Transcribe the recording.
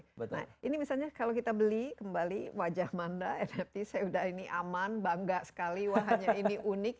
nah ini misalnya kalau kita beli kembali wajah manda nft saya udah ini aman bangga sekali wahannya ini unik